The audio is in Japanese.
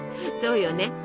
そうよね